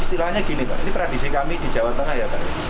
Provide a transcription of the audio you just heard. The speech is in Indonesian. istilahnya gini pak ini tradisi kami di jawa tengah ya pak